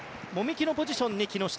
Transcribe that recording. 籾木のポジションに木下。